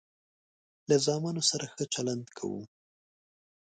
له زامنو سره ښه چلند کوم.